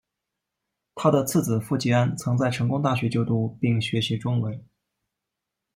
他的次子傅吉安曾在成功大学就读并学习中文。